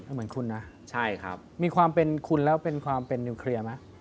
เหมือนคุณนะใช่ครับมีความเป็นคุณแล้วเป็นความเป็นนิวเคลียร์ไหม